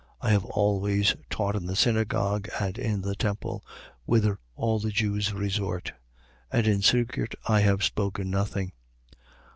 I have always taught in the synagogue and in the temple, whither all the Jews resort: and in secret I have spoken nothing.